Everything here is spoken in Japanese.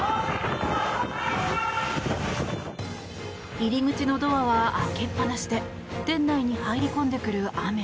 入り口のドアは開けっ放しで店内に入り込んでくる雨。